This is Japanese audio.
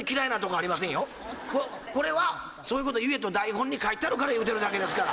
これはそういうこと言えと台本に書いてあるから言うてるだけですから。